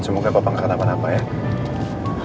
semoga papa gak kenapa napa ya